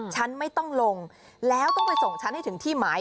ฉันไม่ต้องลงแล้วต้องไปส่งฉันให้ถึงที่หมาย